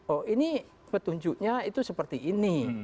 oh ini petunjuknya itu seperti ini